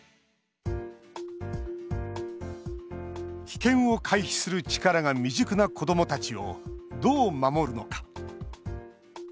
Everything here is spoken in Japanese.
危険を回避する力が未熟な子どもたちをどう守るのか。